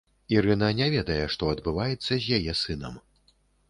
Ірына не ведае, што адбываецца з яе сынам.